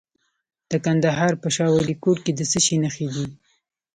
د کندهار په شاه ولیکوټ کې د څه شي نښې دي؟